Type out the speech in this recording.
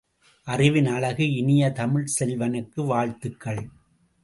அறிவின் அழகு இனிய தமிழ்ச் செல்வனுக்கு, வாழ்த்துக்கள்!